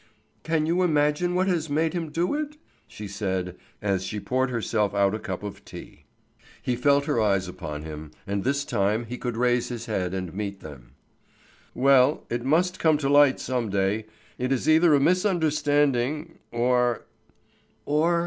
"Can you imagine what has made him do it?" she said, as she poured herself out a cup of tea. He felt her eyes upon him, and this time he could raise his head and meet them. "Well, it must come to light some day. It is either a misunderstanding, or " "Or?"